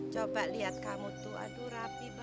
coba lihat kamu tuh aduh rapi